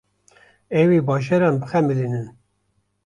Ew ê bajaran bixemilînin.